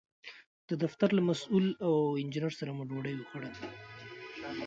د دفتر له مسوول او انجینر سره مو ډوډۍ وخوړه.